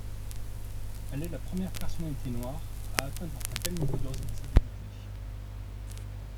Elle est la première personnalité noire à atteindre un tel niveau de responsabilités.